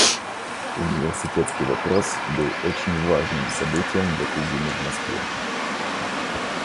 Университетский вопрос был очень важным событием в эту зиму в Москве.